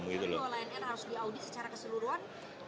tapi lion air harus diaudi secara keseluruhan